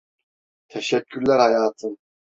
Teşekkürler hayatım.